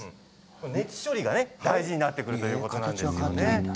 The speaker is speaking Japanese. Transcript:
熱処理が大事になってくるということです。